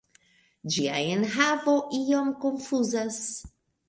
Ĝia enhavo iom konfuzas.